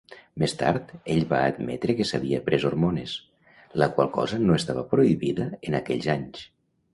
Més tard, ell va admetre que s'havia pres hormones, la qual cosa no estava prohibida en aquells anys.